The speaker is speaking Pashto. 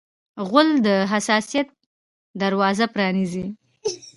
غول د حساسیت دروازه پرانیزي.